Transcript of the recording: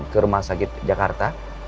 ke rumah sakit jakarta